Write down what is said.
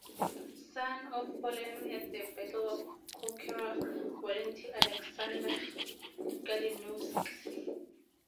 Son of fallen at the battle of Cecora Walenty Aleksander Kalinowski.